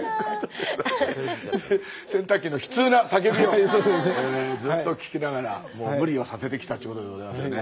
洗濯機の悲痛な叫びをずっと聞きながら無理をさせてきたっちゅうことでございますよね。